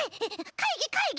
かいぎかいぎ！